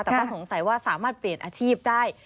แต่ก็สงสัยว่าสามารถเปลี่ยนอาชีพได้